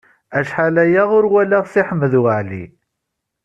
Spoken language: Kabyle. Acḥal aya ur walaɣ Si Ḥmed Waɛli.